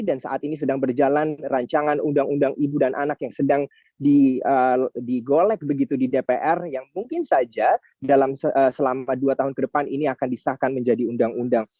dan saat ini sedang berjalan rancangan undang undang ibu dan anak yang sedang digolek begitu di dpr yang mungkin saja dalam selama dua tahun ke depan ini akan disahkan menjadi undang undang